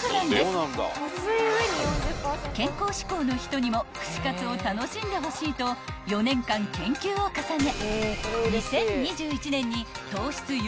［健康志向の人にも串カツを楽しんでほしいと４年間研究を重ね］